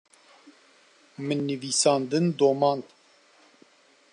min nivîsandin domand.